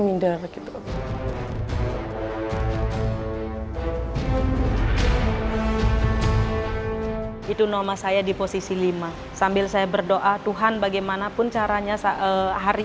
minder gitu itu nama saya di posisi lima sambil saya berdoa tuhan bagaimanapun caranya hari